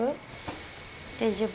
大丈夫？